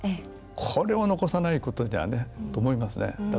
これを残さないことにはと思いますね。